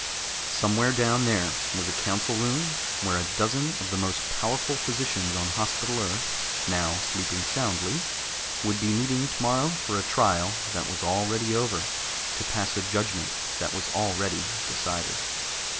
Somewhere down there was a council room where a dozen of the most powerful physicians on Hospital Earth, now sleeping soundly, would be meeting tomorrow for a trial that was already over, to pass a judgment that was already decided.